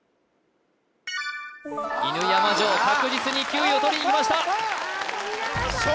確実に９位をとりにいきました